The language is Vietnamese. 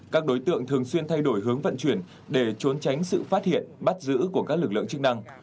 các đối tượng thường xuyên thay đổi hướng vận chuyển để trốn tránh sự phát hiện bắt giữ của các lực lượng chức năng